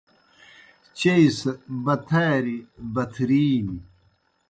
چیئی سہ بتھاریْ بتھرِینیْ۔